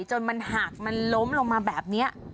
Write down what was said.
จนมันหักมันล้มลงมาแบบนี้